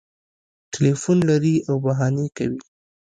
ټلیفون لري او بهانې کوي